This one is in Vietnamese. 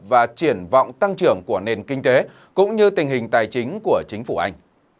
và triển vọng tăng trưởng của nền kinh tế cũng như tình hình tài chính của chính phủ anh